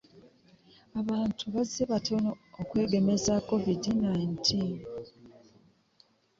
Abantu bazze batono okwegemesa covid nineteen.